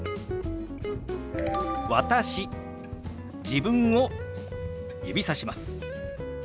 自分を指さします。